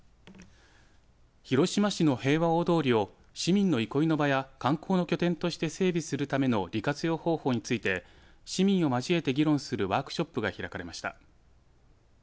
広島市の平和大通りを市民の憩いの場や観光の拠点として整備するための利活用方法について市民を交えて議論するワークショップが開かれました。